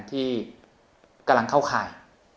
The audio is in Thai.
ที่กำลังเข้าข่าย